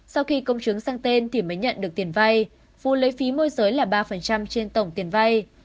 sau khi công chứng sang tên thì mới nhận được tiền vay phú lấy phí môi giới là ba trên tổng tiền vay